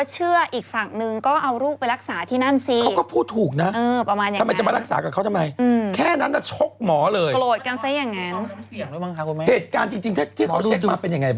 เหตุการณจริงที่เค้าเช็คมาเป็นยังไงบ้าง